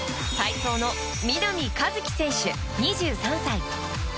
体操の南一輝選手、２３歳。